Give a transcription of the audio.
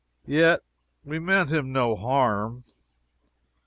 Yet we meant him no harm.